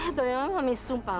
itu yang mami sumpah